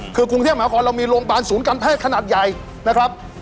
คือกรุงเทพมหาคอนเรามีโรงพยาบาลศูนย์การแพทย์ขนาดใหญ่นะครับ